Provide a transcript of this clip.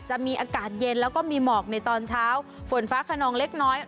จะมีอากาศเย็นแล้วก็มีหมอกในตอนเช้าฝนฟ้าขนองเล็กน้อย